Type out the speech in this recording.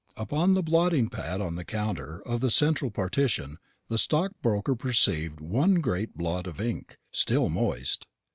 Upon the blotting pad on the counter of the central partition the stockbroker perceived one great blot of ink, still moist.